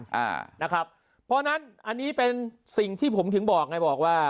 เพราะฉะนั้นอันนี้เป็นสิ่งที่ผมถึงบอกไงบอกว่า